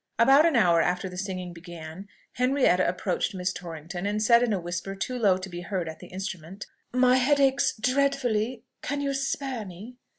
About an hour after the singing began, Henrietta approached Miss Torrington, and said in a whisper too low to be heard at the instrument, "My head aches dreadfully. Can you spare me?"